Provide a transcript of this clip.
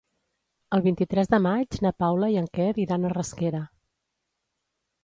El vint-i-tres de maig na Paula i en Quer iran a Rasquera.